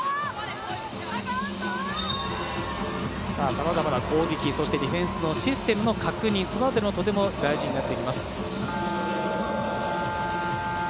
さまざまな攻撃、そしてディフェンスのシステムの確認、その辺りもとても大事になってきます。